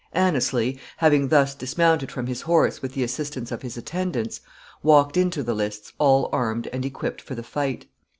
Anneslie, having thus dismounted from his horse with the assistance of his attendants, walked into the lists all armed and equipped for the fight.